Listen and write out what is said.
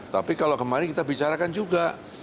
tapi kalau kemarin kita bicarakan juga